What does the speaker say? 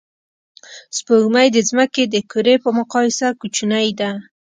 سپوږمۍ د ځمکې د کُرې په مقایسه کوچنۍ ده